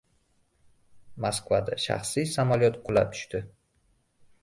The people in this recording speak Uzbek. Moskvada shaxsiy samolyot qulab tushdi